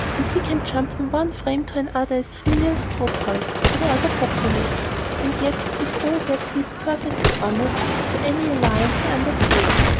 And he can jump from one frame to another as freely as Proteus or the populace. And yet, with all that, he is perfectly honest to any allegiance he undertakes.